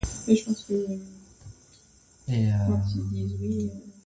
Nzueʼn tɔ ijre suaʼn i ti su.